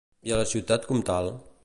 I a la ciutat comtal?